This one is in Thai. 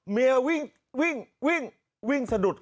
แกล่งทางนี้สินี่